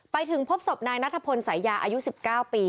ไปถึงพบศพนายนัทพลสายาอายุ๑๙ปี